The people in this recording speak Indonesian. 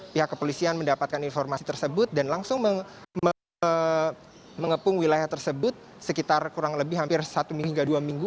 pihak kepolisian mendapatkan informasi tersebut dan langsung mengepung wilayah tersebut sekitar kurang lebih hampir satu hingga dua minggu